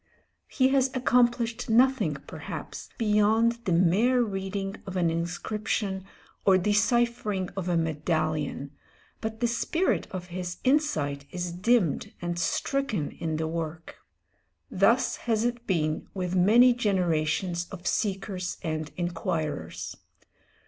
He has accomplished nothing perhaps beyond the mere reading of an inscription or deciphering of a medallion, but the spirit of his insight is dimmed, and stricken in the work. Thus has it been with many generations of seekers and inquirers.